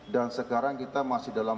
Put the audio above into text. dan sekarang kita masih dalam